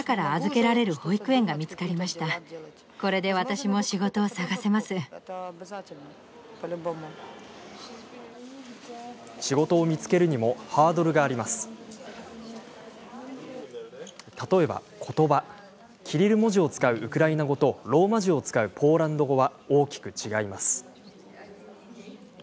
キリル文字を使うウクライナ語とローマ字を使うポーランド語は大きく違います。